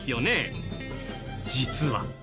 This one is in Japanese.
実は。